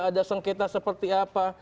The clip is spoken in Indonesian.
ada sengketa seperti apa